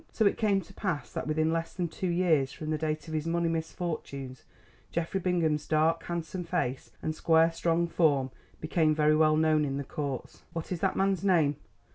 So it came to pass that within less than two years from the date of his money misfortunes, Geoffrey Bingham's dark handsome face and square strong form became very well known in the Courts. "What is that man's name?"